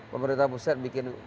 pemerintah pusat bikin